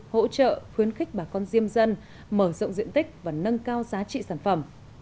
hỗ trợ khuyến khích bà con diêm dân mở rộng diện tích và nâng cao giá trị sản phẩm